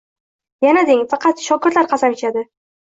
Yana deng, faqat shogirdlar qasam ichadi.